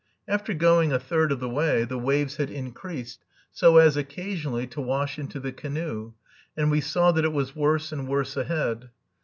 After going a third of the way, the waves had increased so as occasionally to wash into the canoe, and we saw that it was worse and worse ahead.